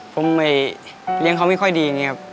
ผมไม่เลี้ยงเขาไม่ค่อยดีอย่างนี้ครับ